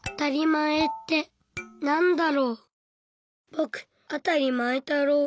ぼくあたりまえたろう。